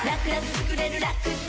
つくれるラクサ